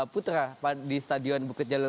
putra di stadion bukit jalur